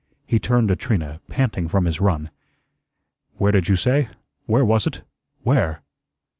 He turned to Trina, panting from his run. "Where did you say where was it where?"